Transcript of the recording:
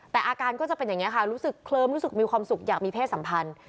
แต่อาการก็จะเป็นอย่างนี้ค่ะรู้สึกเคลิ้มรู้สึกมีความสุขอยากมีเพศสัมพันธ์